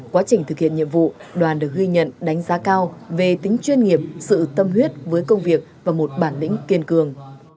quá trình thực hiện nhiệm vụ đoàn được ghi nhận đánh giá cao về tính chuyên nghiệp sự tâm huyết với công việc và một bản lĩnh kiên cường